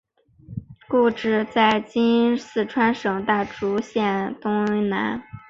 故治在今四川省大竹县东南。